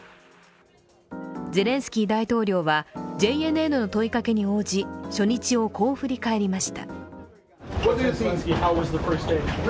ゼレンスキー大統領はＪＮＮの問いかけに応じ初日をこう振り返りました。